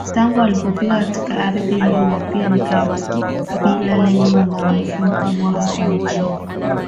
tangu walipofika katika ardhi hiyo na pia ni kablia lenye umaarufu mkubwa hapa nchini